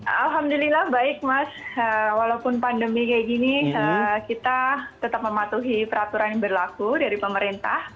alhamdulillah baik mas walaupun pandemi kayak gini kita tetap mematuhi peraturan yang berlaku dari pemerintah